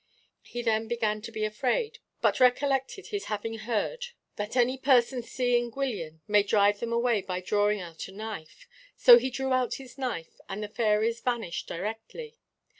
He then began to be afraid, but recollected his having heard that any person seeing Gwyllion may drive them away by drawing out a knife. So he drew out his knife, and the fairies vanished directly.